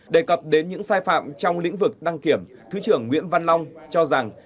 đề cập đến những sai phạm trong lĩnh vực đăng kiểm thứ trưởng nguyễn văn long cho rằng